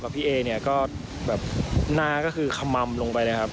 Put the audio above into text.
พี่เอ๋ก็แบบหน้าก็คือขม่ำลงไปนะครับ